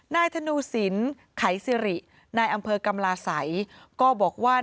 นายธนูศิลป์ไขซิรินายอำเภอกำลาษัยก็บอกว่า